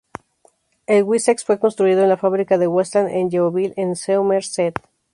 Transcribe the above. El Wessex fue construido en la fábrica de Westland en Yeovil en Somerset.